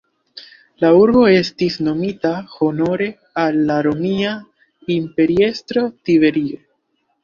La urbo estis nomita honore al la romia imperiestro Tiberio.